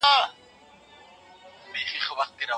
بې مانا هیلي نه پالل کېږي.